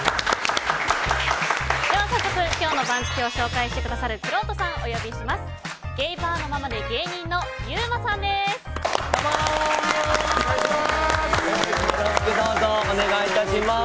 早速今日の番付を紹介してくださるくろうとさんをお呼びします。